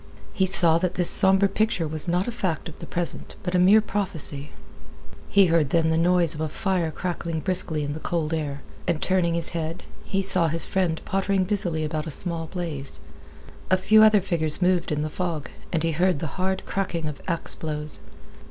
He saw that this somber picture was not a fact of the present, but a mere prophecy. He heard then the noise of a fire crackling briskly in the cold air, and, turning his head, he saw his friend pottering busily about a small blaze. A few other figures moved in the fog, and he heard the hard cracking of axe blows.